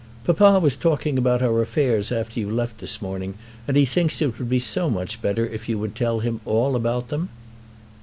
"Papa was talking about our affairs after you left this morning, and he thinks that it would be so much better if you would tell him all about them."